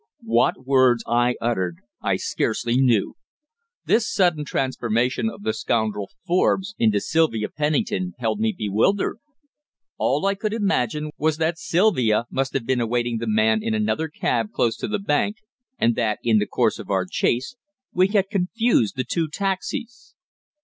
What words I uttered I scarcely knew. This sudden transformation of the scoundrel Forbes into Sylvia Pennington held me bewildered. All I could imagine was that Sylvia must have been awaiting the man in another cab close to the bank, and that, in the course of our chase, we had confused the two taxis.